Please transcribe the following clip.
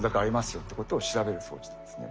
よってことを調べる装置なんですね。